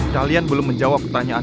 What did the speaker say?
kalian belum menjawab pertanyaan